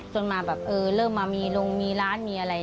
จนมาเลิกมามีโรงมีร้านมีอะไรอย่างนี้